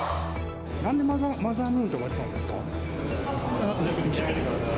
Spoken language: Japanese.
なんでマザームーンと言われたんですか？